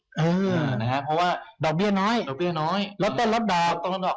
เพราะว่าดอกเบี้ยน้อยลดแต่ลดดอก